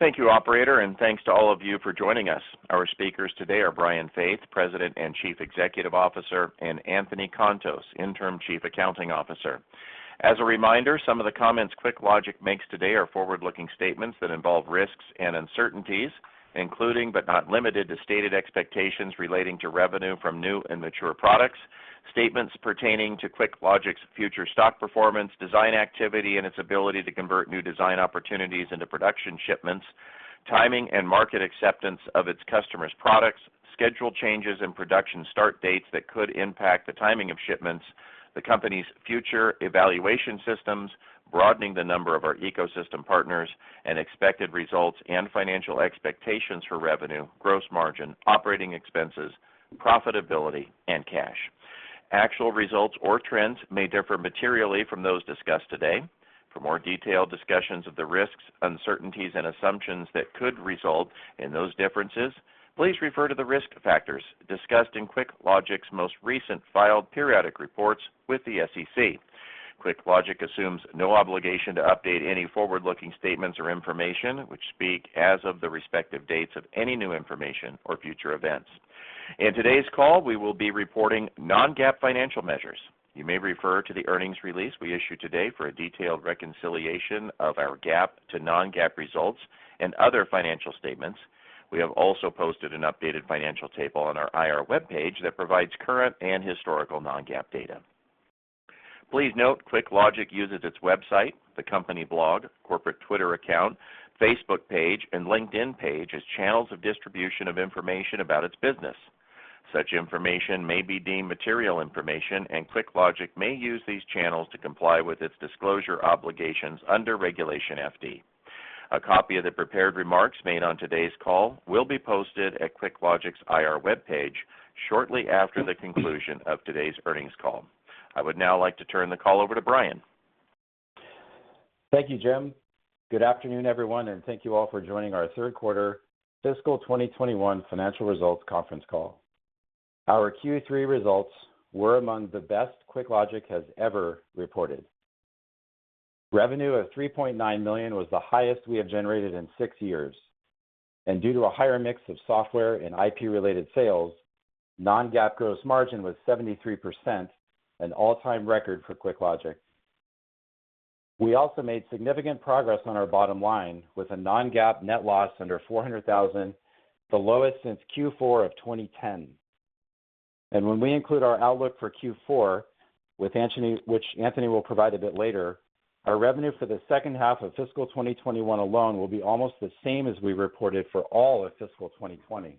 Thank you, operator, and thanks to all of you for joining us. Our speakers today are Brian Faith, President and Chief Executive Officer, and Anthony Contos, Interim Chief Accounting Officer. As a reminder, some of the comments QuickLogic makes today are forward-looking statements that involve risks and uncertainties, including but not limited to stated expectations relating to revenue from new and mature products, statements pertaining to QuickLogic's future stock performance, design activity, and its ability to convert new design opportunities into production shipments, timing and market acceptance of its customers' products, schedule changes and production start dates that could impact the timing of shipments, the company's future evaluation systems, broadening the number of our ecosystem partners, and expected results and financial expectations for revenue, gross margin, operating expenses, profitability, and cash. Actual results or trends may differ materially from those discussed today. For more detailed discussions of the risks, uncertainties, and assumptions that could result in those differences, please refer to the risk factors discussed in QuickLogic's most recent filed periodic reports with the SEC. QuickLogic assumes no obligation to update any forward-looking statements or information which speak as of the respective dates of any new information or future events. In today's call, we will be reporting non-GAAP financial measures. You may refer to the earnings release we issued today for a detailed reconciliation of our GAAP to non-GAAP results and other financial statements. We have also posted an updated financial table on our IR webpage that provides current and historical non-GAAP data. Please note QuickLogic uses its website, the company blog, corporate Twitter account, Facebook page, and LinkedIn page as channels of distribution of information about its business. Such information may be deemed material information, and QuickLogic may use these channels to comply with its disclosure obligations under Regulation FD. A copy of the prepared remarks made on today's call will be posted at QuickLogic's IR webpage shortly after the conclusion of today's earnings call. I would now like to turn the call over to Brian. Thank you, Jim. Good afternoon, everyone, and thank you all for joining our third quarter fiscal 2021 financial results conference call. Our Q3 results were among the best QuickLogic has ever reported. Revenue of $3.9 million was the highest we have generated in six years. Due to a higher mix of software and IP-related sales, non-GAAP gross margin was 73%, an all-time record for QuickLogic. We also made significant progress on our bottom line with a non-GAAP net loss under $400,000, the lowest since Q4 of 2010. When we include our outlook for Q4, with Anthony, which Anthony will provide a bit later, our revenue for the second half of fiscal 2021 alone will be almost the same as we reported for all of fiscal 2020.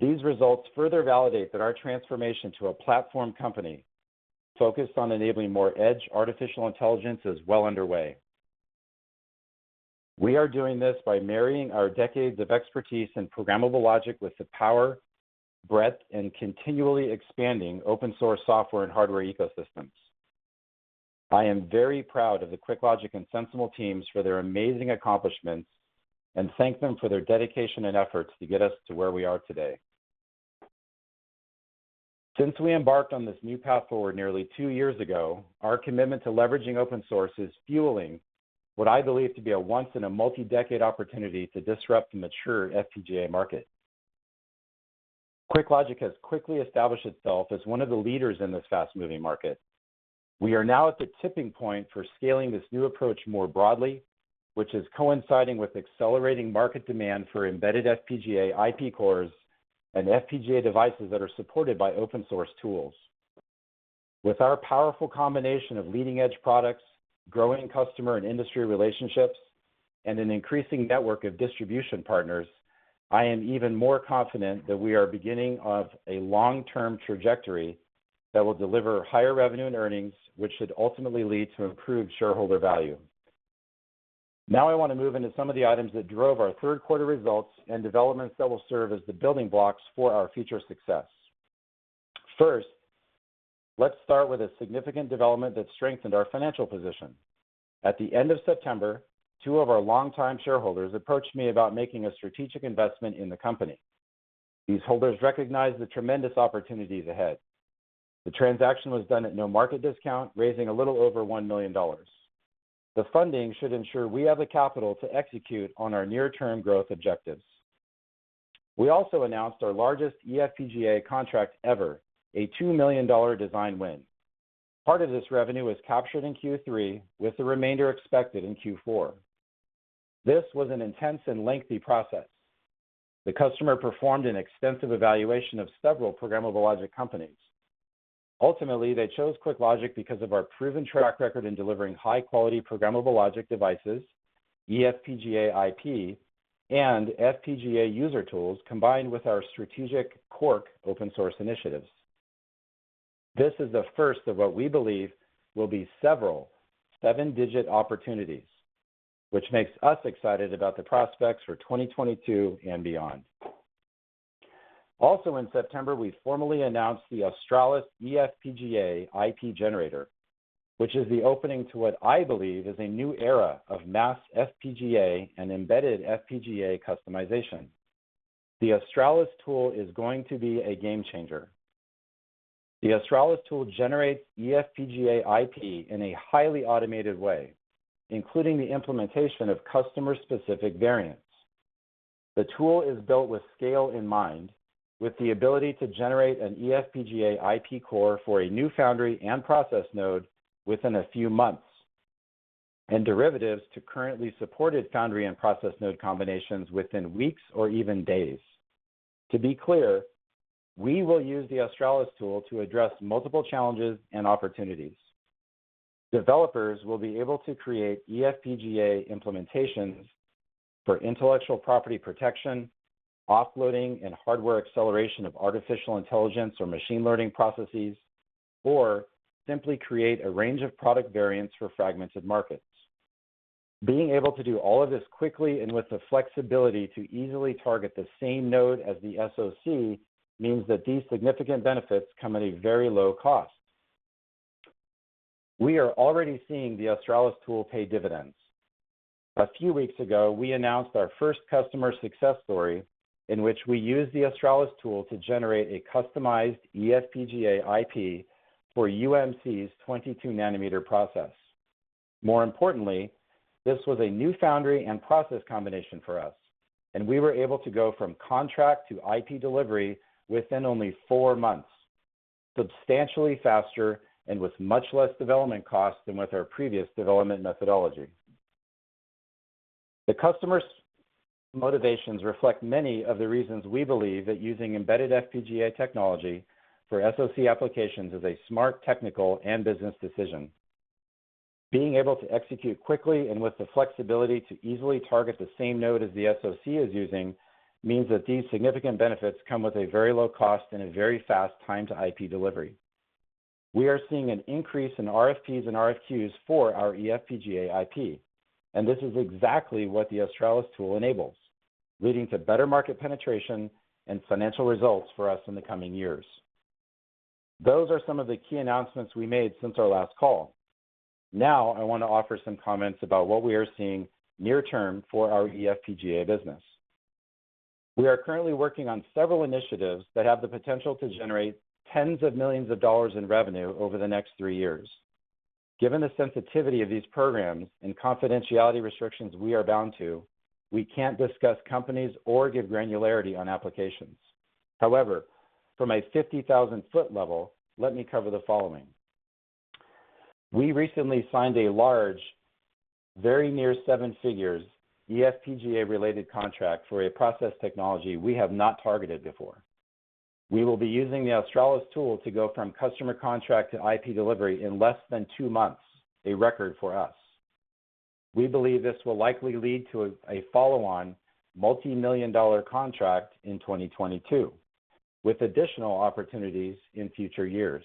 These results further validate that our transformation to a platform company focused on enabling more edge artificial intelligence is well underway. We are doing this by marrying our decades of expertise in programmable logic with the power, breadth, and continually expanding open-source software and hardware ecosystems. I am very proud of the QuickLogic and SensiML teams for their amazing accomplishments and thank them for their dedication and efforts to get us to where we are today. Since we embarked on this new path forward nearly two years ago, our commitment to leveraging open source is fueling what I believe to be a once-in-a-multi-decade opportunity to disrupt the mature FPGA market. QuickLogic has quickly established itself as one of the leaders in this fast-moving market. We are now at the tipping point for scaling this new approach more broadly, which is coinciding with accelerating market demand for embedded FPGA IP cores and FPGA devices that are supported by open-source tools. With our powerful combination of leading-edge products, growing customer and industry relationships, and an increasing network of distribution partners, I am even more confident that we are at the beginning of a long-term trajectory that will deliver higher revenue and earnings, which should ultimately lead to improved shareholder value. Now I want to move into some of the items that drove our third quarter results and developments that will serve as the building blocks for our future success. First, let's start with a significant development that strengthened our financial position. At the end of September, two of our longtime shareholders approached me about making a strategic investment in the company. These holders recognized the tremendous opportunities ahead. The transaction was done at no market discount, raising a little over $1 million. The funding should ensure we have the capital to execute on our near-term growth objectives. We also announced our largest eFPGA contract ever, a $2 million design win. Part of this revenue was captured in Q3, with the remainder expected in Q4. This was an intense and lengthy process. The customer performed an extensive evaluation of several programmable logic companies. Ultimately, they chose QuickLogic because of our proven track record in delivering high-quality programmable logic devices, eFPGA IP, and FPGA user tools combined with our strategic QORC open-source initiatives. This is the first of what we believe will be several seven-digit opportunities, which makes us excited about the prospects for 2022 and beyond. Also in September, we formally announced the Australis eFPGA IP Generator, which is the opening to what I believe is a new era of mass FPGA and embedded FPGA customization. The Australis tool is going to be a game changer. The Australis tool generates eFPGA IP in a highly automated way, including the implementation of customer-specific variants. The tool is built with scale in mind, with the ability to generate an eFPGA IP core for a new foundry and process node within a few months, and derivatives to currently supported foundry and process node combinations within weeks or even days. To be clear, we will use the Australis tool to address multiple challenges and opportunities. Developers will be able to create eFPGA implementations for intellectual property protection, offloading, and hardware acceleration of artificial intelligence or machine learning processes, or simply create a range of product variants for fragmented markets. Being able to do all of this quickly and with the flexibility to easily target the same node as the SoC means that these significant benefits come at a very low cost. We are already seeing the Australis tool pay dividends. A few weeks ago, we announced our first customer success story in which we used the Australis tool to generate a customized eFPGA IP for UMC's 22nm process. More importantly, this was a new foundry and process combination for us, and we were able to go from contract to IP delivery within only four months, substantially faster and with much less development cost than with our previous development methodology. The customers' motivations reflect many of the reasons we believe that using embedded FPGA technology for SoC applications is a smart technical and business decision. Being able to execute quickly and with the flexibility to easily target the same node as the SoC is using means that these significant benefits come with a very low cost and a very fast time to IP delivery. We are seeing an increase in RFPs and RFQs for our eFPGA IP, and this is exactly what the Australis tool enables, leading to better market penetration and financial results for us in the coming years. Those are some of the key announcements we made since our last call. Now I want to offer some comments about what we are seeing near term for our eFPGA business. We are currently working on several initiatives that have the potential to generate tens of millions of dollars in revenue over the next three years. Given the sensitivity of these programs and confidentiality restrictions we are bound to, we can't discuss companies or give granularity on applications. However, from a 50,000-foot level, let me cover the following. We recently signed a large, very near seven figures, eFPGA-related contract for a process technology we have not targeted before. We will be using the Australis tool to go from customer contract to IP delivery in less than two months, a record for us. We believe this will likely lead to a follow-on multi-million dollar contract in 2022, with additional opportunities in future years.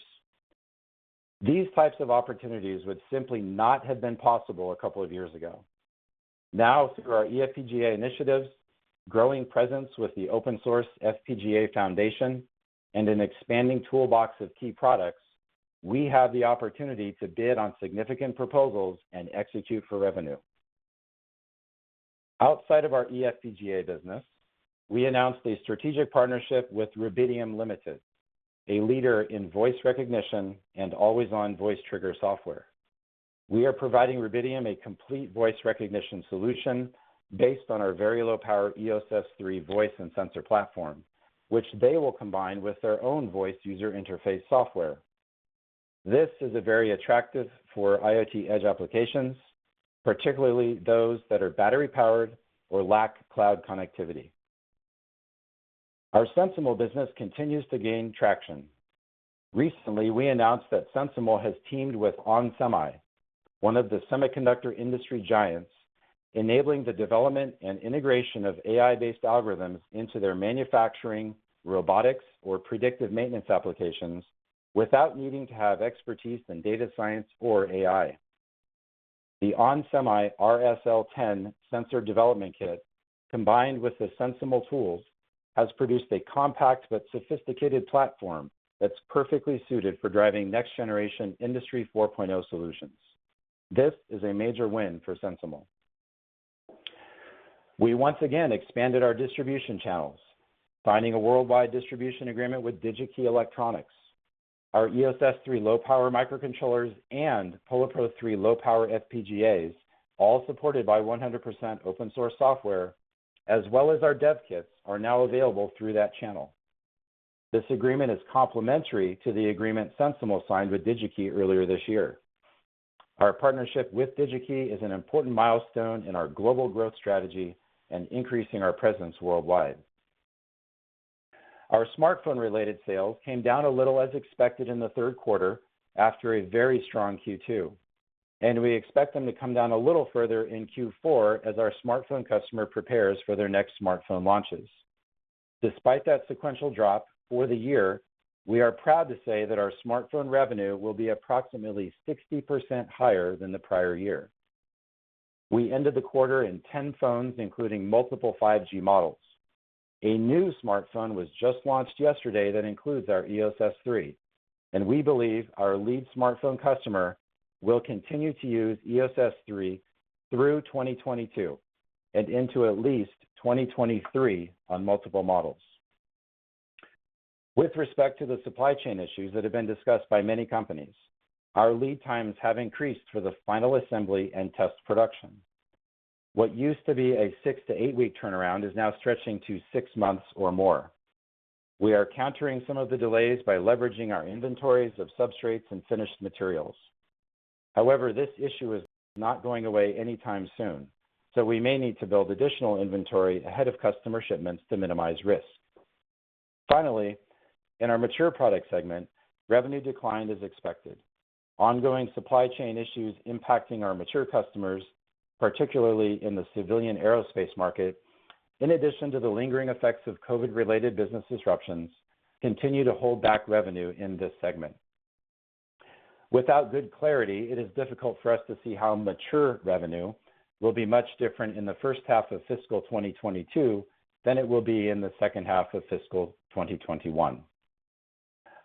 These types of opportunities would simply not have been possible a couple of years ago. Now, through our eFPGA initiatives, growing presence with the Open Source FPGA Foundation, and an expanding toolbox of key products, we have the opportunity to bid on significant proposals and execute for revenue. Outside of our eFPGA business, we announced a strategic partnership with Rubidium Limited, a leader in voice recognition and always-on voice trigger software. We are providing Rubidium a complete voice recognition solution based on our very low power EOS S3 voice and sensor platform, which they will combine with their own voice user interface software. This is very attractive for IoT edge applications, particularly those that are battery-powered or lack cloud connectivity. Our SensiML business continues to gain traction. Recently, we announced that SensiML has teamed with onsemi, one of the semiconductor industry giants, enabling the development and integration of AI-based algorithms into their manufacturing, robotics, or predictive maintenance applications without needing to have expertise in data science or AI. The onsemi RSL10 sensor development kit, combined with the SensiML tools, has produced a compact but sophisticated platform that's perfectly suited for driving next generation Industry 4.0 solutions. This is a major win for SensiML. We once again expanded our distribution channels, signing a worldwide distribution agreement with Digi-Key Electronics. Our EOS S3 low-power microcontrollers and PolarPro 3 low-power FPGAs, all supported by 100% open source software, as well as our dev kits, are now available through that channel. This agreement is complementary to the agreement SensiML signed with Digi-Key earlier this year. Our partnership with Digi-Key is an important milestone in our global growth strategy and increasing our presence worldwide. Our smartphone-related sales came down a little as expected in the third quarter after a very strong Q2, and we expect them to come down a little further in Q4 as our smartphone customer prepares for their next smartphone launches. Despite that sequential drop for the year, we are proud to say that our smartphone revenue will be approximately 60% higher than the prior year. We ended the quarter in 10 phones, including multiple 5G models. A new smartphone was just launched yesterday that includes our EOS S3, and we believe our lead smartphone customer will continue to use EOS S3 through 2022 and into at least 2023 on multiple models. With respect to the supply chain issues that have been discussed by many companies, our lead times have increased for the final assembly and test production. What used to be a six to eight-week turnaround is now stretching to six months or more. We are countering some of the delays by leveraging our inventories of substrates and finished materials. However, this issue is not going away anytime soon, so we may need to build additional inventory ahead of customer shipments to minimize risk. Finally, in our mature product segment, revenue declined as expected. Ongoing supply chain issues impacting our mature customers, particularly in the civilian aerospace market, in addition to the lingering effects of COVID-related business disruptions, continue to hold back revenue in this segment. Without good clarity, it is difficult for us to see how mature revenue will be much different in the first half of fiscal 2022 than it will be in the second half of fiscal 2021.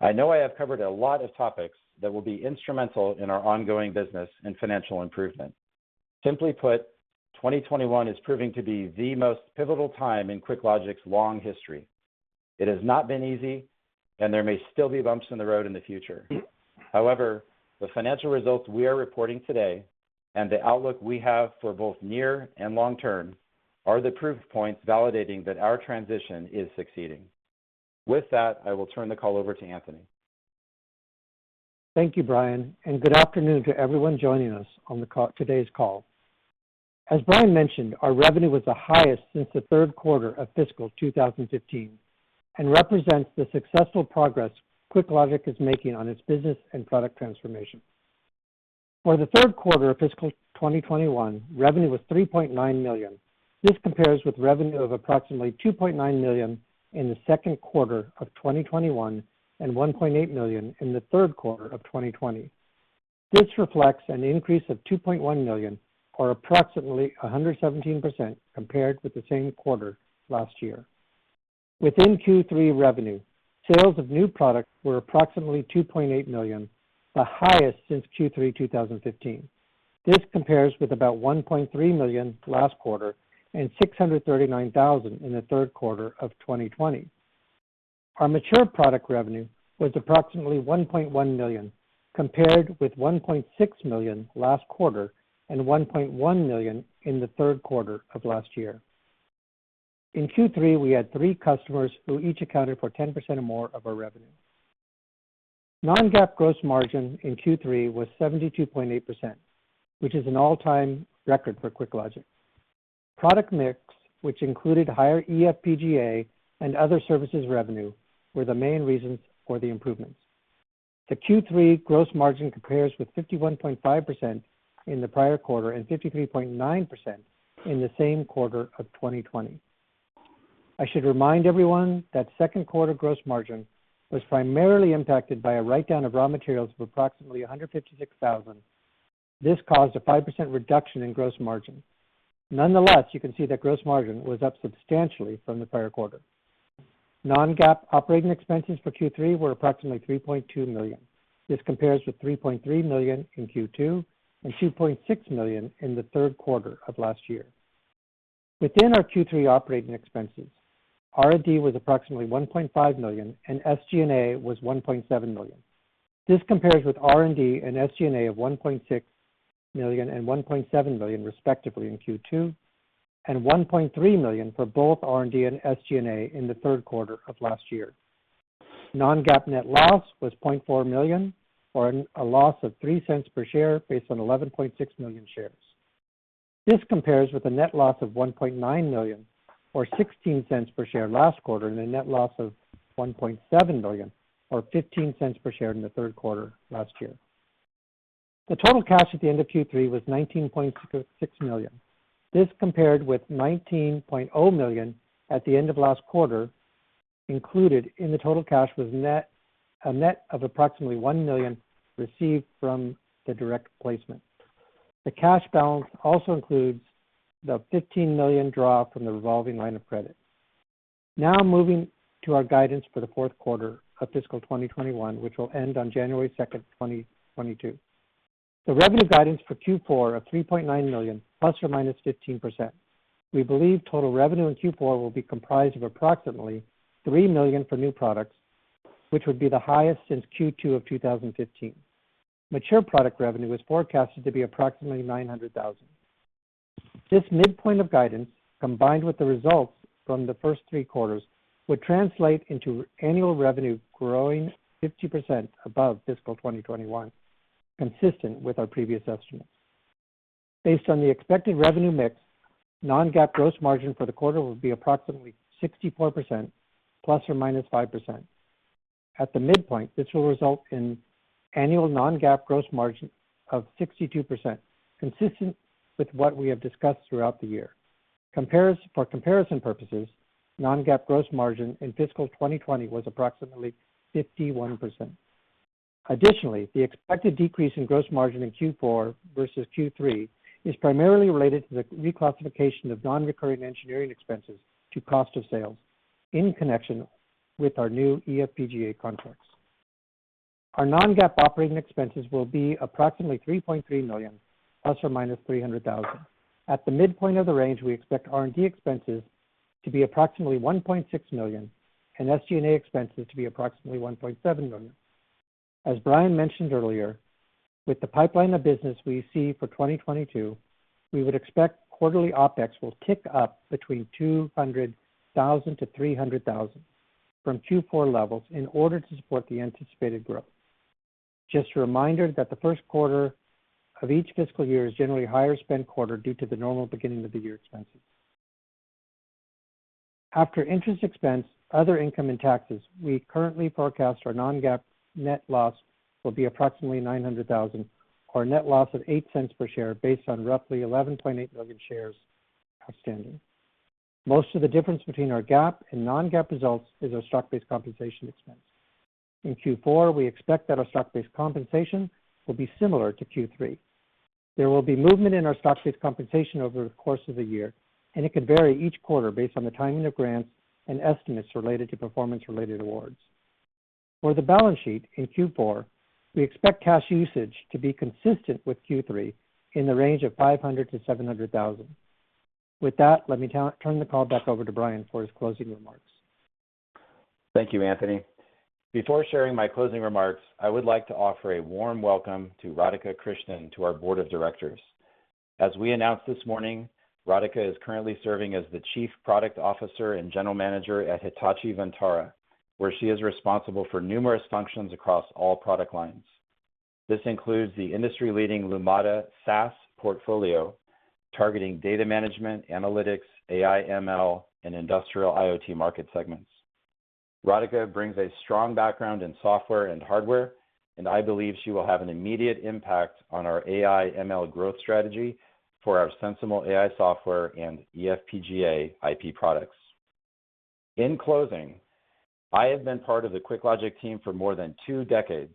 I know I have covered a lot of topics that will be instrumental in our ongoing business and financial improvement. Simply put, 2021 is proving to be the most pivotal time in QuickLogic's long history. It has not been easy, and there may still be bumps in the road in the future. However, the financial results we are reporting today, and the outlook we have for both near and long-term, are the proof points validating that our transition is succeeding. With that, I will turn the call over to Anthony. Thank you, Brian, and good afternoon to everyone joining us on today's call. As Brian mentioned, our revenue was the highest since the third quarter of fiscal 2015 and represents the successful progress QuickLogic is making on its business and product transformation. For the third quarter of fiscal 2021, revenue was $3.9 million. This compares with revenue of approximately $2.9 million in the second quarter of 2021 and $1.8 million in the third quarter of 2020. This reflects an increase of $2.1 million, or approximately 117% compared with the same quarter last year. Within Q3 revenue, sales of new products were approximately $2.8 million, the highest since Q3 2015. This compares with about $1.3 million last quarter and $639 thousand in the third quarter of 2020. Our mature product revenue was approximately $1.1 million, compared with $1.6 million last quarter and $1.1 million in the third quarter of last year. In Q3, we had three customers who each accounted for 10% or more of our revenue. non-GAAP gross margin in Q3 was 72.8%, which is an all-time record for QuickLogic. Product mix, which included higher eFPGA and other services revenue, were the main reasons for the improvements. The Q3 gross margin compares with 51.5% in the prior quarter and 53.9% in the same quarter of 2020. I should remind everyone that second quarter gross margin was primarily impacted by a write-down of raw materials of approximately $156,000. This caused a 5% reduction in gross margin. Nonetheless, you can see that gross margin was up substantially from the prior quarter. Non-GAAP operating expenses for Q3 were approximately $3.2 million. This compares with $3.3 million in Q2 and $2.6 million in the third quarter of last year. Within our Q3 operating expenses, R&D was approximately $1.5 million and SG&A was $1.7 million. This compares with R&D and SG&A of $1.6 million and $1.7 million respectively in Q2, and $1.3 million for both R&D and SG&A in the third quarter of last year. Non-GAAP net loss was $0.4 million, or a loss of $0.03 per share based on 11.6 million shares. This compares with a net loss of $1.9 million or $0.16 per share last quarter, and a net loss of $1.7 million or $0.15 per share in the third quarter last year. The total cash at the end of Q3 was $19.6 million. This compared with $19.0 million at the end of last quarter. Included in the total cash was a net of approximately $1 million received from the direct placement. The cash balance also includes the $15 million draw from the revolving line of credit. Now moving to our guidance for the fourth quarter of fiscal 2021, which will end on January 2nd, 2022. The revenue guidance for Q4 of $3.9 million ±15%. We believe total revenue in Q4 will be comprised of approximately $3 million for new products, which would be the highest since Q2 of 2015. Mature product revenue is forecasted to be approximately $900,000. This mid-point of guidance, combined with the results from the first three quarters, would translate into annual revenue growing 50% above fiscal 2021, consistent with our previous estimates. Based on the expected revenue mix, non-GAAP gross margin for the quarter will be approximately 64% ±5%. At the mid-point, this will result in annual non-GAAP gross margin of 62%, consistent with what we have discussed throughout the year. For comparison purposes, non-GAAP gross margin in fiscal 2020 was approximately 51%. Additionally, the expected decrease in gross margin in Q4 versus Q3 is primarily related to the reclassification of non-recurring engineering expenses to cost of sales in connection with our new eFPGA contracts. Our non-GAAP operating expenses will be approximately $3.3 million ± $300,000. At the mid-point of the range, we expect R&D expenses to be approximately $1.6 million and SG&A expenses to be approximately $1.7 million. As Brian mentioned earlier, with the pipeline of business we see for 2022, we would expect quarterly OpEx will kick up between $200,000-$300,000 from Q4 levels in order to support the anticipated growth. Just a reminder that the first quarter of each fiscal year is generally a higher spend quarter due to the normal beginning of the year expenses. After interest expense, other income and taxes, we currently forecast our non-GAAP net loss will be approximately $900,000 or a net loss of $0.08 per share based on roughly 11.8 million shares outstanding. Most of the difference between our GAAP and non-GAAP results is our stock-based compensation expense. In Q4, we expect that our stock-based compensation will be similar to Q3. There will be movement in our stock-based compensation over the course of the year, and it can vary each quarter based on the timing of grants and estimates related to performance-related awards. For the balance sheet in Q4, we expect cash usage to be consistent with Q3 in the range of $500,000-$700,000. With that, let me turn the call back over to Brian for his closing remarks. Thank you, Anthony. Before sharing my closing remarks, I would like to offer a warm welcome to Radhika Krishnan to our Board of Directors. As we announced this morning, Radhika is currently serving as the Chief Product Officer and General Manager at Hitachi Vantara, where she is responsible for numerous functions across all product lines. This includes the industry-leading Lumada SaaS portfolio, targeting data management, analytics, AI, ML, and industrial IoT market segments. Radhika brings a strong background in software and hardware, and I believe she will have an immediate impact on our AI ML growth strategy for our SensiML and eFPGA IP products. In closing, I have been part of the QuickLogic team for more than two decades.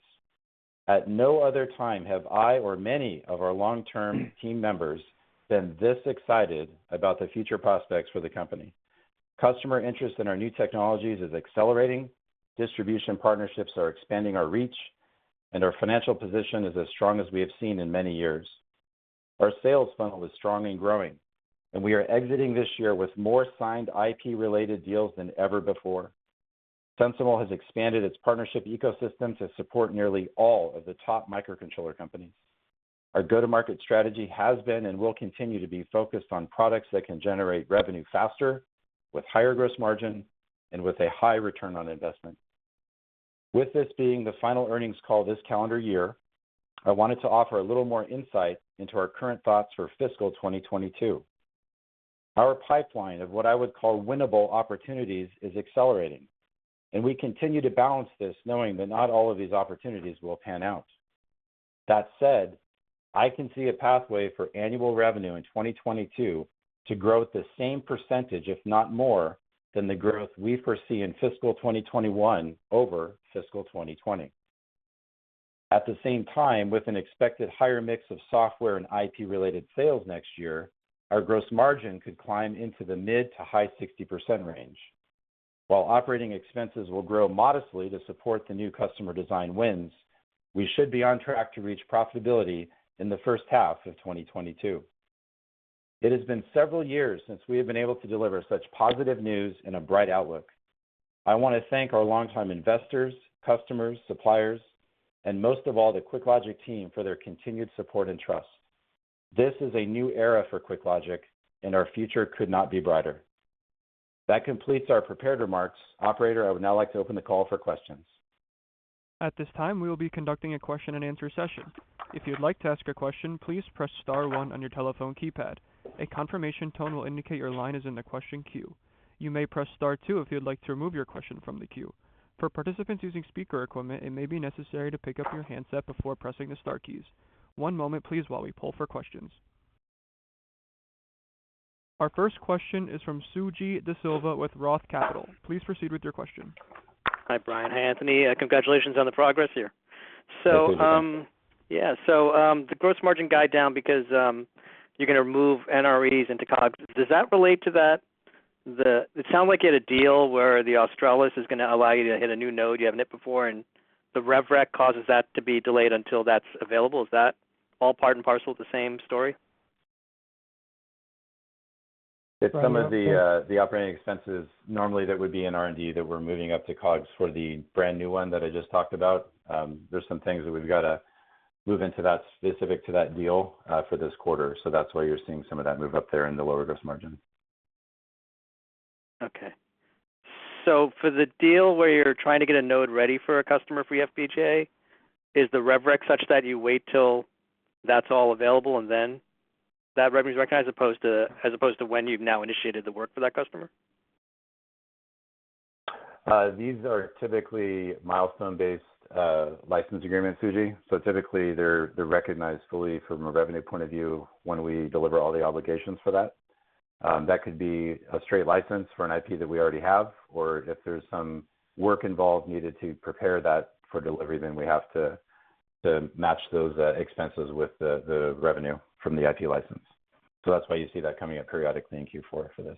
At no other time have I or many of our long-term team members been this excited about the future prospects for the company. Customer interest in our new technologies is accelerating, distribution partnerships are expanding our reach, and our financial position is as strong as we have seen in many years. Our sales funnel is strong and growing, and we are exiting this year with more signed IP-related deals than ever before. SensiML has expanded its partnership ecosystem to support nearly all of the top microcontroller companies. Our go-to-market strategy has been and will continue to be focused on products that can generate revenue faster, with higher gross margin, and with a high return on investment. With this being the final earnings call this calendar year, I wanted to offer a little more insight into our current thoughts for fiscal 2022. Our pipeline of what I would call winnable opportunities is accelerating, and we continue to balance this knowing that not all of these opportunities will pan out. That said, I can see a pathway for annual revenue in 2022 to grow at the same percentage, if not more, than the growth we foresee in fiscal 2021 over fiscal 2020. At the same time, with an expected higher mix of software and IP-related sales next year, our gross margin could climb into the mid-to-high 60% range. While operating expenses will grow modestly to support the new customer design wins, we should be on track to reach profitability in the first half of 2022. It has been several years since we have been able to deliver such positive news and a bright outlook. I want to thank our longtime investors, customers, suppliers, and most of all, the QuickLogic team for their continued support and trust. This is a new era for QuickLogic, and our future could not be brighter. That completes our prepared remarks. Operator, I would now like to open the call for questions. At this time, we will be conducting a question and answer session. If you'd like to ask a question, please press star one on your telephone keypad. A confirmation tone will indicate your line is in the question queue. You may press star two if you'd like to remove your question from the queue. For participants using speaker equipment, it may be necessary to pick up your handset before pressing the star keys. One moment please while we poll for questions. Our first question is from Suji Desilva with Roth Capital. Please proceed with your question. Hi, Brian. Hi, Anthony. Congratulations on the progress here. Thank you. The gross margin guidance down because you're gonna remove NREs from COGS. Does that relate to that? It sounds like you had a deal where the Australis is gonna allow you to hit a new node you haven't hit before, and the rev rec causes that to be delayed until that's available. Is that all part and parcel of the same story? It's some of the operating expenses normally that would be in R&D that we're moving up to COGS for the brand-new one that I just talked about. There's some things that we've gotta move into that specific to that deal for this quarter. That's why you're seeing some of that move up there in the lower gross margin. Okay. For the deal where you're trying to get a node ready for a customer for eFPGA, is the rev rec such that you wait till that's all available and then that revenue is recognized as opposed to when you've now initiated the work for that customer? These are typically milestone-based license agreements, Suji. Typically they're recognized fully from a revenue point of view when we deliver all the obligations for that. That could be a straight license for an IP that we already have, or if there's some work involved needed to prepare that for delivery, then we have to match those expenses with the revenue from the IP license. That's why you see that coming up periodically in Q4 for this.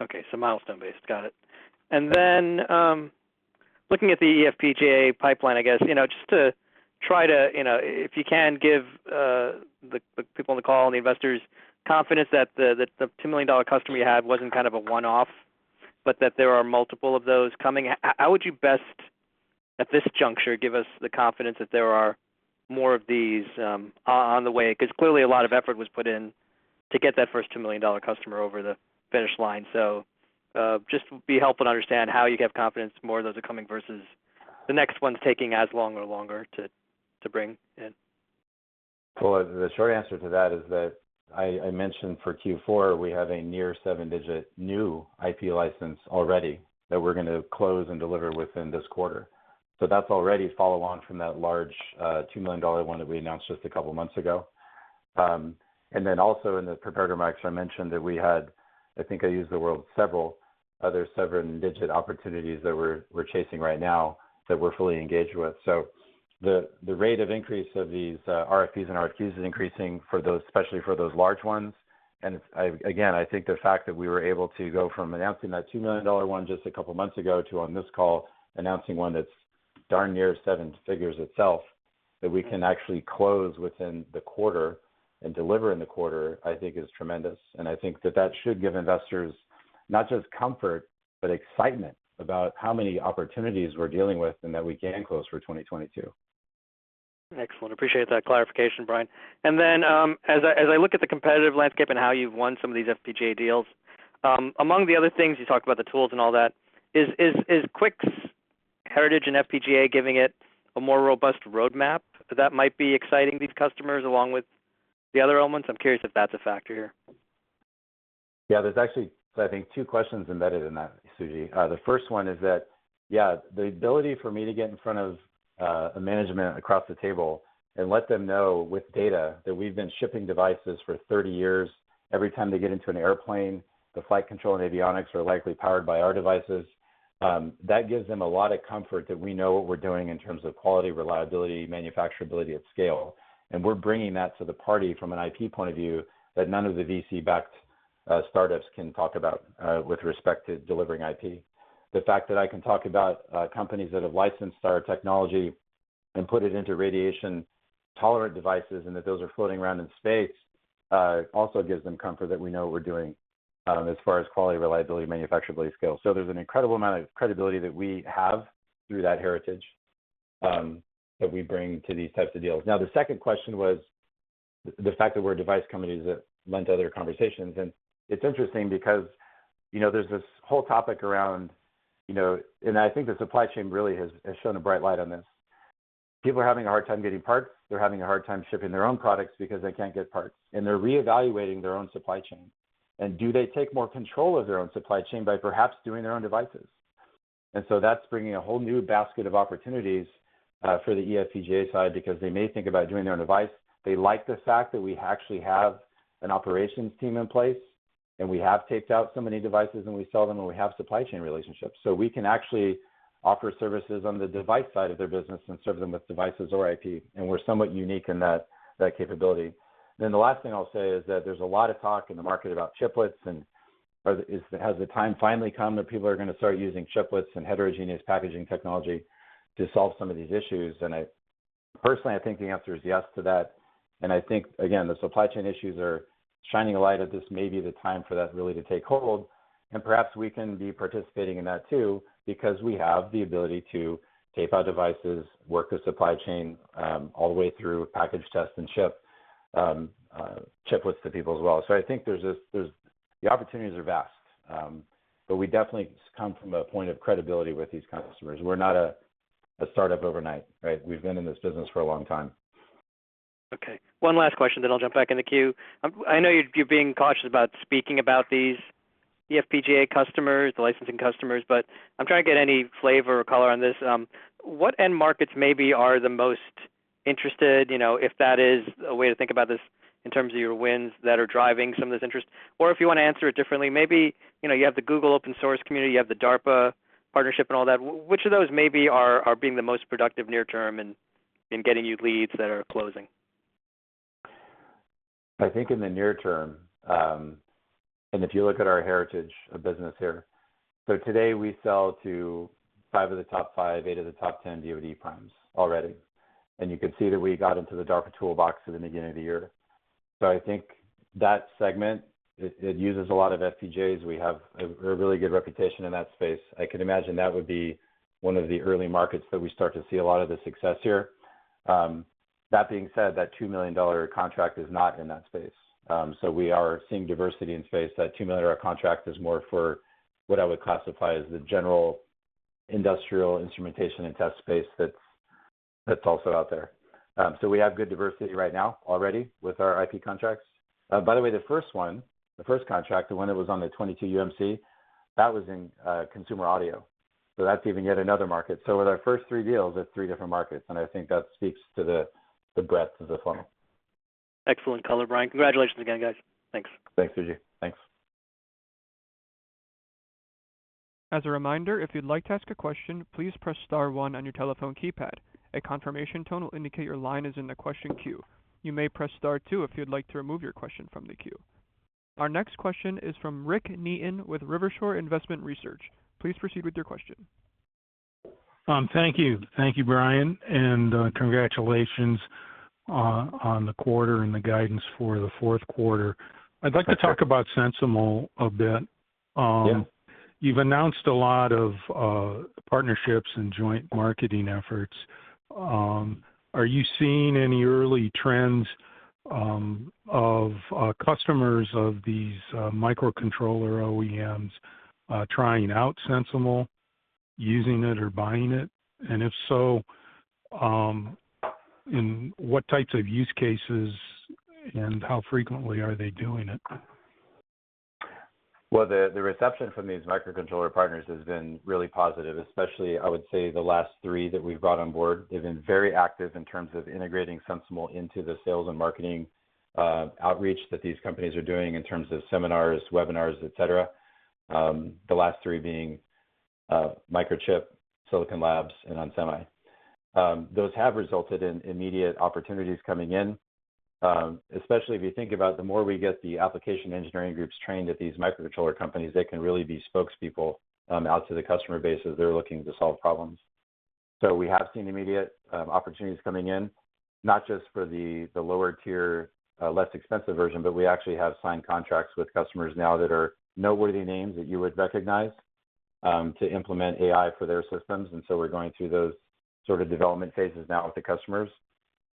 Okay, milestone-based. Got it. Looking at the eFPGA pipeline, I guess, you know, just to try to, you know, if you can give the people on the call and the investors confidence that the $2 million customer you had wasn't kind of a one-off, but that there are multiple of those coming. How would you best at this juncture give us the confidence that there are more of these on the way? 'Cause clearly a lot of effort was put in to get that first $2 million customer over the finish line. Just be helpful to understand how you have confidence more of those are coming versus the next one's taking as long or longer to bring in. Well, the short answer to that is that I mentioned for Q4 we have a near seven-digit new IP license already that we're gonna close and deliver within this quarter. That's already follow on from that large $2 million one that we announced just a couple months ago. In the prepared remarks, I mentioned that we had, I think I used the word several other seven-digit opportunities that we're chasing right now that we're fully engaged with. The rate of increase of these RFPs and RFQs is increasing for those, especially for those large ones. Again, I think the fact that we were able to go from announcing that $2 million one just a couple months ago to on this call announcing one that's darn near seven figures itself that we can actually close within the quarter and deliver in the quarter, I think is tremendous. I think that should give investors not just comfort, but excitement about how many opportunities we're dealing with and that we can close for 2022. Excellent. I appreciate that clarification, Brian. Then, as I look at the competitive landscape and how you've won some of these FPGA deals, among the other things, you talked about the tools and all that, is QuickLogic's heritage in FPGA giving it a more robust roadmap that might be exciting these customers along with the other elements? I'm curious if that's a factor here. Yeah, there's actually, I think two questions embedded in that, Suji. The first one is that, yeah, the ability for me to get in front of a management across the table and let them know with data that we've been shipping devices for 30 years, every time they get into an airplane, the flight control and avionics are likely powered by our devices, that gives them a lot of comfort that we know what we're doing in terms of quality, reliability, manufacturability at scale. We're bringing that to the party from an IP point of view that none of the VC-backed startups can talk about with respect to delivering IP. The fact that I can talk about companies that have licensed our technology and put it into radiation-tolerant devices, and that those are floating around in space also gives them comfort that we know what we're doing as far as quality, reliability, manufacturability, scale. So there's an incredible amount of credibility that we have through that heritage that we bring to these types of deals. Now, the second question was the fact that we're a device company that lends to other conversations. It's interesting because, you know, there's this whole topic around, you know and I think the supply chain really has shone a bright light on this. People are having a hard time getting parts. They're having a hard time shipping their own products because they can't get parts, and they're reevaluating their own supply chain. Do they take more control of their own supply chain by perhaps doing their own devices? That's bringing a whole new basket of opportunities for the eFPGA side because they may think about doing their own device. They like the fact that we actually have an operations team in place, and we have taped out so many devices and we sell them, and we have supply chain relationships. We can actually offer services on the device side of their business and serve them with devices or IP, and we're somewhat unique in that capability. The last thing I'll say is that there's a lot of talk in the market about chiplets and has the time finally come that people are gonna start using chiplets and heterogeneous packaging technology to solve some of these issues. I personally, I think the answer is yes to that. I think again, the supply chain issues are shining a light that this may be the time for that really to take hold. Perhaps we can be participating in that too because we have the ability to tape out our devices, work the supply chain, all the way through package, test, and ship chiplets to people as well. I think there's this, the opportunities are vast. But we definitely come from a point of credibility with these customers. We're not a startup overnight, right? We've been in this business for a long time. Okay, one last question, then I'll jump back in the queue. I know you're being cautious about speaking about these eFPGA customers, the licensing customers, but I'm trying to get any flavor or color on this. What end markets maybe are the most interested, you know, if that is a way to think about this in terms of your wins that are driving some of this interest? Or if you wanna answer it differently, maybe, you know, you have the Google open source community, you have the DARPA partnership and all that. Which of those maybe are being the most productive near-term in getting you leads that are closing? I think in the near-term, if you look at our heritage of business here, today we sell to five of the top five, eight of the top 10 DoD primes already. You could see that we got into the DARPA toolbox at the beginning of the year. I think that segment uses a lot of FPGAs. We have a really good reputation in that space. I can imagine that would be one of the early markets that we start to see a lot of the success here. That being said, that $2 million contract is not in that space. We are seeing diversity in space. That $2 million contract is more for what I would classify as the general industrial instrumentation and test space that's also out there. We have good diversity right now already with our IP contracts. By the way, the first one, the first contract, the one that was on the 22 UMC, that was in consumer audio. That's even yet another market. With our first three deals, it's three different markets, and I think that speaks to the breadth of the funnel. Excellent color, Brian. Congratulations again, guys. Thanks. Thanks, Suji. Thanks. As a reminder, if you'd like to ask a question, please press star one on your telephone keypad. A confirmation tone will indicate your line is in the question queue. You may press star two if you'd like to remove your question from the queue. Our next question is from Rick Neaton with Rivershore Investment Research. Please proceed with your question. Thank you, Brian, and congratulations on the quarter and the guidance for the fourth quarter. I'd like to talk about SensiML a bit. Yeah. You've announced a lot of partnerships and joint marketing efforts. Are you seeing any early trends of customers of these microcontroller OEMs trying out SensiML, using it or buying it? If so, in what types of use cases and how frequently are they doing it? The reception from these microcontroller partners has been really positive, especially, I would say, the last three that we've brought on board. They've been very active in terms of integrating SensiML into the sales and marketing outreach that these companies are doing in terms of seminars, webinars, et cetera. The last three being Microchip, Silicon Labs, and onsemi. Those have resulted in immediate opportunities coming in, especially if you think about the more we get the application engineering groups trained at these microcontroller companies, they can really be spokespeople out to the customer base as they're looking to solve problems. We have seen immediate opportunities coming in, not just for the lower tier, less expensive version, but we actually have signed contracts with customers now that are noteworthy names that you would recognize to implement AI for their systems. We're going through those sort of development phases now with the customers,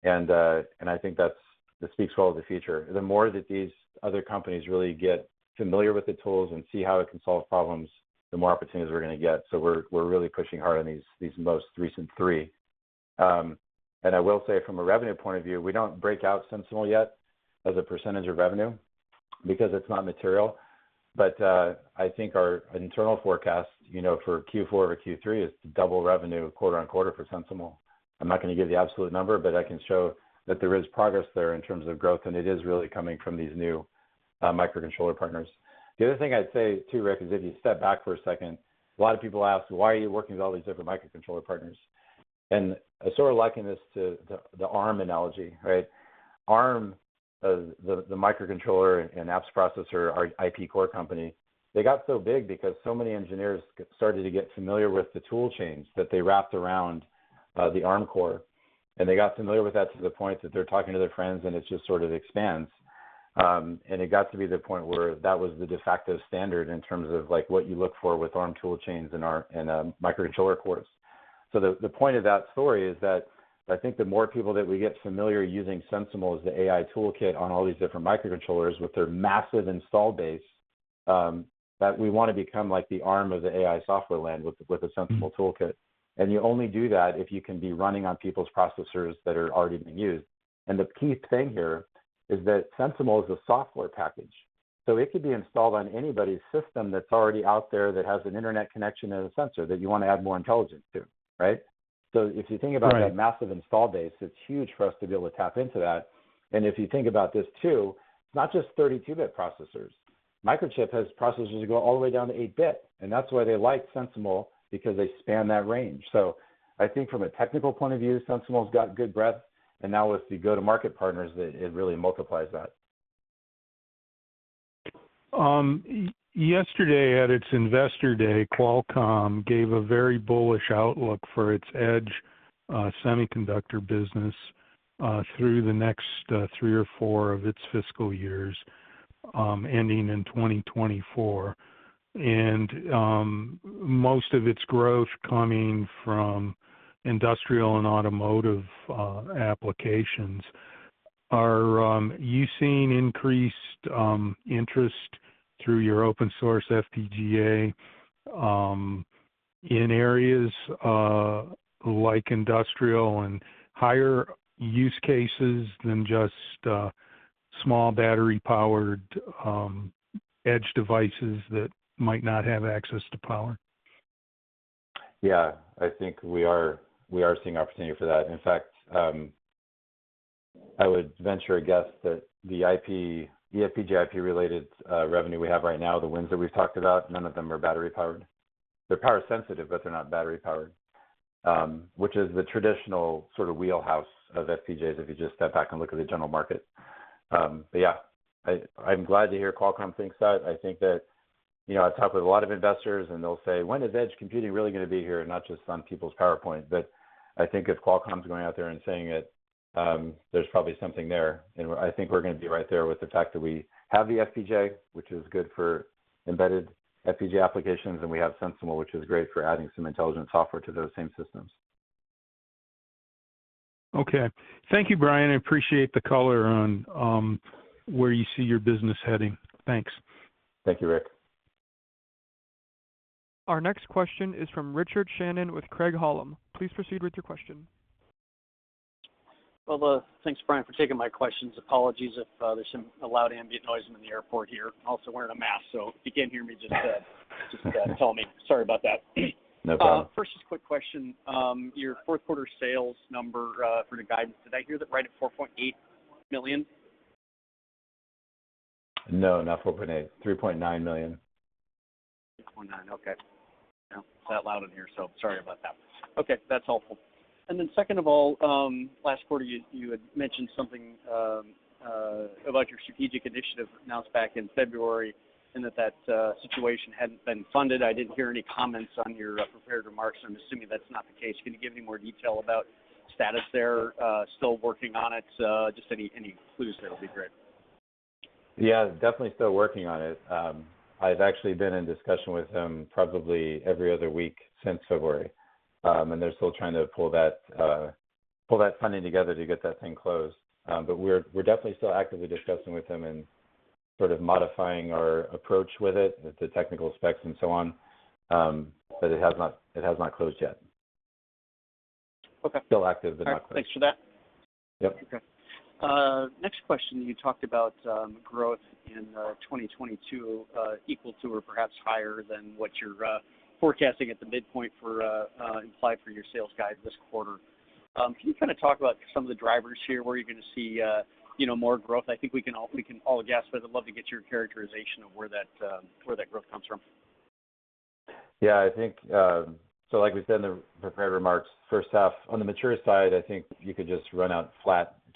and I think that this speaks well of the future. The more that these other companies really get familiar with the tools and see how it can solve problems, the more opportunities we're gonna get. We're really pushing hard on these most recent three. I will say from a revenue point of view, we don't break out SensiML yet as a percentage of revenue because it's not material. I think our internal forecast, you know, for Q4 over Q3 is to double revenue quarter on quarter for SensiML. I'm not gonna give the absolute number, but I can show that there is progress there in terms of growth, and it is really coming from these new microcontroller partners. The other thing I'd say, too, Rick, is if you step back for a second, a lot of people ask, "Why are you working with all these different microcontroller partners?" I sort of liken this to the ARM analogy, right? ARM, the microcontroller and apps processor, our IP core company, they got so big because so many engineers started to get familiar with the tool chains that they wrapped around the ARM core. They got familiar with that to the point that they're talking to their friends, and it just sort of expands. It got to be the point where that was the de facto standard in terms of, like, what you look for with ARM tool chains and microcontroller cores. The point of that story is that I think the more people that we get familiar using SensiML as the AI toolkit on all these different microcontrollers with their massive install base, that we wanna become like the ARM of the AI software land with the SensiML toolkit. You only do that if you can be running on people's processors that are already being used. The key thing here is that SensiML is a software package, so it could be installed on anybody's system that's already out there that has an internet connection and a sensor that you wanna add more intelligence to, right? If you think about- Right... that massive install base, it's huge for us to be able to tap into that. If you think about this too, it's not just 32-bit processors. Microchip has processors that go all the way down to 8-bit, and that's why they like SensiML, because they span that range. I think from a technical point of view, SensiML's got good breadth, and now with the go-to-market partners, it really multiplies that. Yesterday at its Investor Day, Qualcomm gave a very bullish outlook for its edge semiconductor business through the next three or four of its fiscal years, ending in 2024, and most of its growth coming from industrial and automotive applications. Are you seeing increased interest through your open source FPGA in areas like industrial and higher use cases than just small battery-powered edge devices that might not have access to power? Yeah. I think we are seeing opportunity for that. In fact, I would venture a guess that the IP, the FPGA IP-related revenue we have right now, the wins that we've talked about, none of them are battery-powered. They're power sensitive, but they're not battery-powered, which is the traditional sort of wheelhouse of FPGAs if you just step back and look at the general market. Yeah, I'm glad to hear Qualcomm thinks that. I think that, you know, I've talked with a lot of investors, and they'll say, "When is edge computing really gonna be here and not just on people's PowerPoints?" I think if Qualcomm's going out there and saying it, there's probably something there, and I think we're gonna be right there with the fact that we have the FPGA, which is good for embedded FPGA applications, and we have SensiML, which is great for adding some intelligent software to those same systems. Okay. Thank you, Brian. I appreciate the color on where you see your business heading. Thanks. Thank you, Rick. Our next question is from Richard Shannon with Craig-Hallum. Please proceed with your question. Well, thanks, Brian, for taking my questions. Apologies if there's some loud ambient noise. I'm in the airport here. I'm also wearing a mask. So if you can't hear me, just tell me. Sorry about that. No problem. First, just a quick question. Your fourth quarter sales number, for the guidance, did I hear that right at $4.8 million? No, not $4.8. $3.9 million. $3.9 million. Okay. Yeah. It's that loud in here, so sorry about that. Okay. That's helpful. Then second of all, last quarter you had mentioned something about your strategic initiative announced back in February and that situation hadn't been funded. I didn't hear any comments on your prepared remarks, so I'm assuming that's not the case. Can you give any more detail about status there? Still working on it? Just any clues there will be great. Yeah, definitely still working on it. I've actually been in discussion with them probably every other week since February. They're still trying to pull that funding together to get that thing closed. But we're definitely still actively discussing with them and sort of modifying our approach with it, the technical specs and so on. It has not closed yet. Okay. Still active but not closed. All right. Thanks for that. Yep. Okay. Next question, you talked about growth in 2022 equal to or perhaps higher than what you're forecasting at the mid-point for implied for your sales guide this quarter. Can you kind of talk about some of the drivers here, where you're gonna see you know more growth? I think we can all guess, but I'd love to get your characterization of where that growth comes from. Yeah. I think, like we said in the prepared remarks, first half on the mature side. I think you could just run out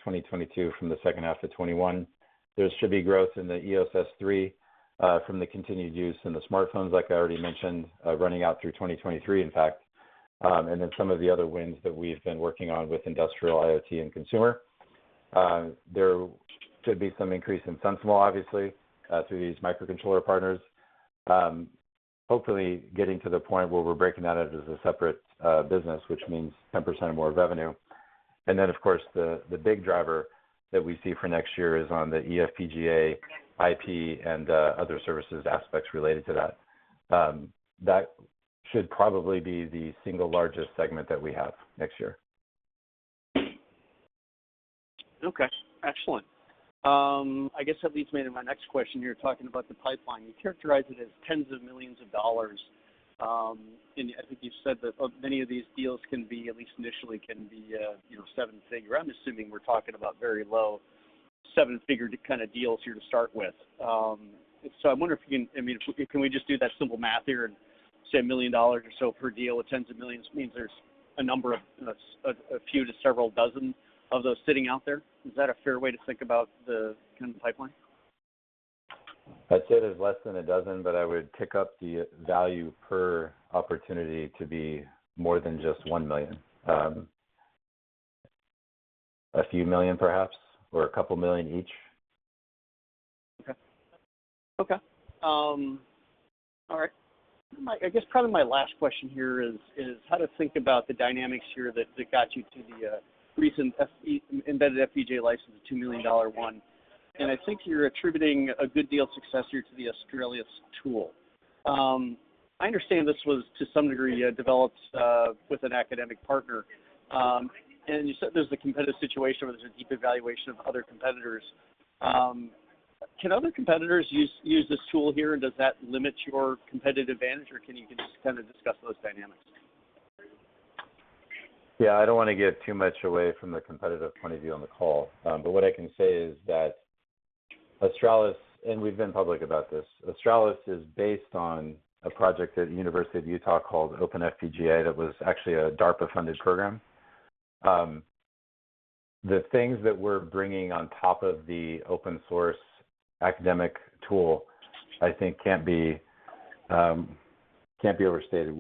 flat 2022 from the second half of 2021. There should be growth in the EOS S3 from the continued use in the smartphones, like I already mentioned, running out through 2023, in fact. Some of the other wins that we've been working on with industrial IoT and consumer. There should be some increase in SensiML obviously through these microcontroller partners. Hopefully getting to the point where we're breaking that out as a separate business, which means 10% more revenue. Of course the big driver that we see for next year is on the eFPGA IP and other services aspects related to that. That should probably be the single largest segment that we have next year. Okay. Excellent. I guess that leads me into my next question here, talking about the pipeline. You characterize it as tens of millions of dollars, and I think you've said that many of these deals can be, at least initially, you know, seven-figure. I'm assuming we're talking about very low seven-figure kind of deals here to start with. So I wonder if you can. I mean, can we just do that simple math here and say a million dollars or so per deal with tens of millions means there's a number of, you know, a few to several dozen of those sitting out there. Is that a fair way to think about the kind of pipeline? I'd say there's less than a dozen, but I would tick up the value per opportunity to be more than just $1 million. A few million perhaps, or a couple million each. I guess probably my last question here is how to think about the dynamics here that got you to the recent embedded FPGA license, the $2 million one. I think you're attributing a good deal of success here to the Australis tool. I understand this was to some degree developed with an academic partner. You said there's a competitive situation where there's a deep evaluation of other competitors. Can other competitors use this tool here, and does that limit your competitive advantage or can you just kind of discuss those dynamics? Yeah. I don't wanna give too much away from the competitive point of view on the call. But what I can say is that Australis, and we've been public about this, Australis is based on a project at University of Utah called OpenFPGA that was actually a DARPA-funded program. The things that we're bringing on top of the open source academic tool I think can't be overstated.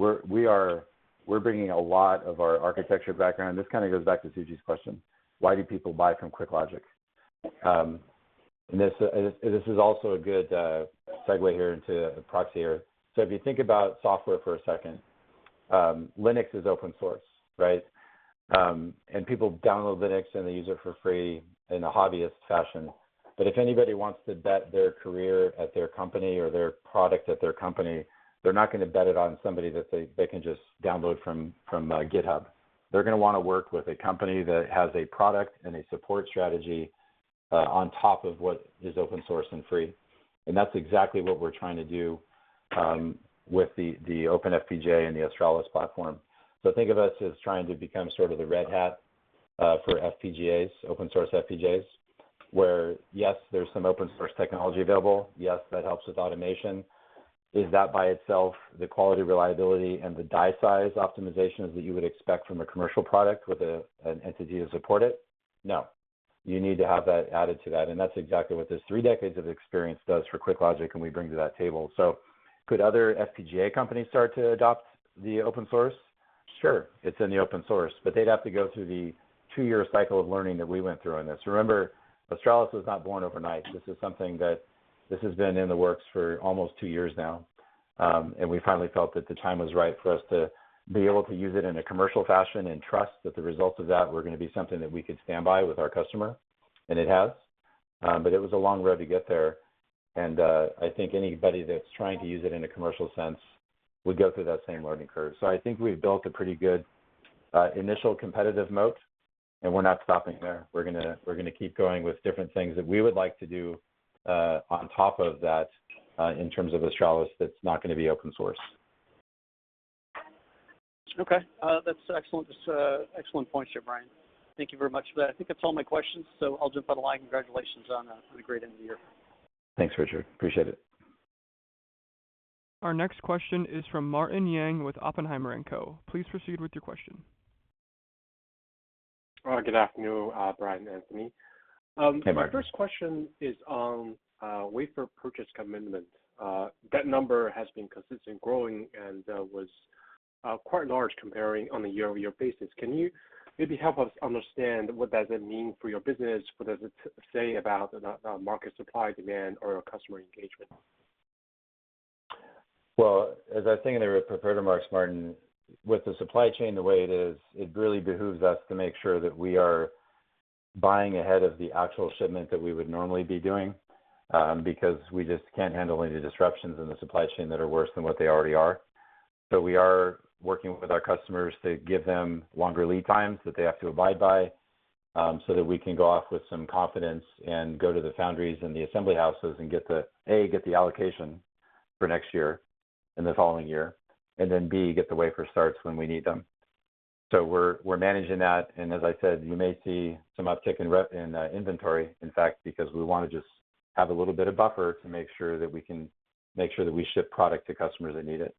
We're bringing a lot of our architecture background. This kind of goes back to Suji's question, why do people buy from QuickLogic? And this is also a good segue here into a proxy here. If you think about software for a second, Linux is open source, right? And people download Linux and they use it for free in a hobbyist fashion. If anybody wants to bet their career at their company or their product at their company, they're not gonna bet it on somebody that they can just download from GitHub. They're gonna wanna work with a company that has a product and a support strategy on top of what is open source and free. That's exactly what we're trying to do with the OpenFPGA and the Australis platform. Think of us as trying to become sort of the Red Hat for FPGAs, open source FPGAs, where, yes, there's some open source technology available, yes, that helps with automation. Is that by itself the quality, reliability, and the die size optimizations that you would expect from a commercial product with an entity to support it? No. You need to have that added to that, and that's exactly what this three decades of experience does for QuickLogic, and we bring to that table. Could other FPGA companies start to adopt the open source? Sure. It's in the open source. They'd have to go through the two-year cycle of learning that we went through on this. Remember, Australis was not born overnight. This is something that has been in the works for almost two years now, and we finally felt that the time was right for us to be able to use it in a commercial fashion and trust that the results of that were gonna be something that we could stand by with our customer, and it has. It was a long road to get there. I think anybody that's trying to use it in a commercial sense would go through that same learning curve. I think we've built a pretty good initial competitive moat, and we're not stopping there. We're gonna keep going with different things that we would like to do on top of that in terms of Australis, that's not gonna be open source. Okay. That's excellent. That's excellent points there, Brian. Thank you very much for that. I think that's all my questions, so I'll jump on the line. Congratulations on a great end of the year. Thanks, Richard. Appreciate it. Our next question is from Martin Yang with Oppenheimer & Co. Please proceed with your question. Good afternoon, Brian and Anthony. Hey, Martin. My first question is on wafer purchase commitment. That number has been consistent growing and was quite large comparing on a year-over-year basis. Can you maybe help us understand what does it mean for your business? What does it say about the market supply demand or customer engagement? Well, as I think[there are prepared remarks], Martin, with the supply chain, the way it is, it really behooves us to make sure that we are buying ahead of the actual shipment that we would normally be doing, because we just can't handle any disruptions in the supply chain that are worse than what they already are. We are working with our customers to give them longer lead times that they have to abide by, so that we can go off with some confidence and go to the foundries and the assembly houses and get A, the allocation for next year and the following year, and then B, get the wafer starts when we need them. We're managing that, and as I said, you may see some uptick in inventory, in fact, because we wanna just have a little bit of buffer to make sure that we ship product to customers that need it.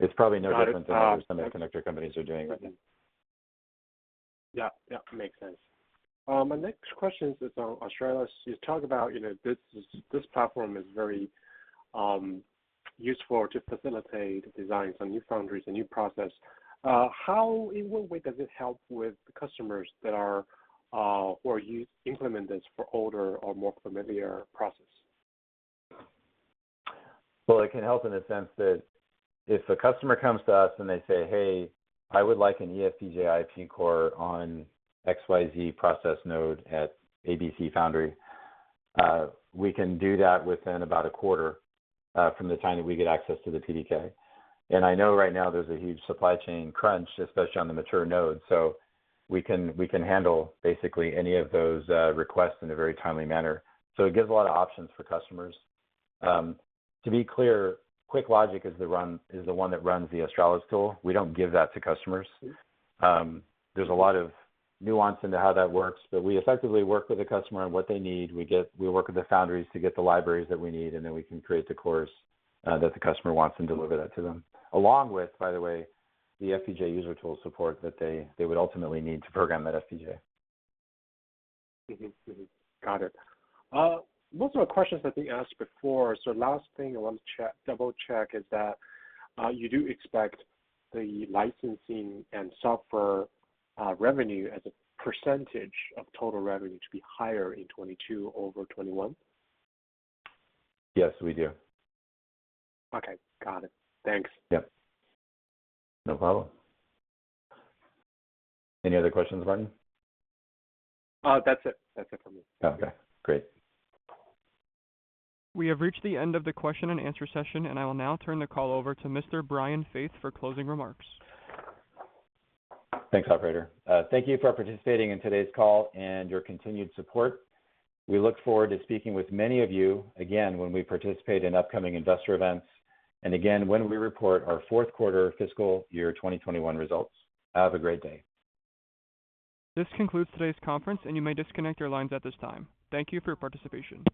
It's probably no different than what other semiconductor companies are doing. Yeah. Yeah. Makes sense. My next question is on Australis. You talked about, you know, this platform is very useful to facilitate designs on new foundries and new process. How, in what way, does it help with the customers that are or you implement this for older or more familiar process? Well, it can help in the sense that if a customer comes to us, and they say, "Hey, I would like an FPGA IP core on XYZ process node at ABC Foundry," we can do that within about a quarter, from the time that we get access to the PDK. I know right now there's a huge supply chain crunch, especially on the mature nodes, so we can handle basically any of those, requests in a very timely manner. It gives a lot of options for customers. To be clear, QuickLogic Logic is the one that runs the Australis tool. We don't give that to customers. There's a lot of nuance into how that works, but we effectively work with the customer and what they need. We work with the foundries to get the libraries that we need, and then we can create the core that the customer wants and deliver that to them, along with, by the way, the FPGA user tool support that they would ultimately need to program that FPGA. Got it. Those are questions I think I asked before. Last thing I want to check, double-check is that you do expect the licensing and software revenue as a percentage of total revenue to be higher in 2022 over 2021? Yes, we do. Okay. Got it. Thanks. Yep. No problem. Any other questions, Martin? That's it from me. Okay. Great. We have reached the end of the question and answer session, and I will now turn the call over to Mr. Brian Faith for closing remarks. Thanks, operator. Thank you for participating in today's call and your continued support. We look forward to speaking with many of you again when we participate in upcoming investor events and again when we report our fourth quarter fiscal year 2021 results. Have a great day. This concludes today's conference, and you may disconnect your lines at this time. Thank you for your participation.